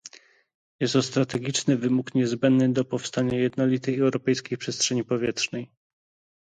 Jest to strategiczny wymóg niezbędny do powstania jednolitej europejskiej przestrzeni powietrznej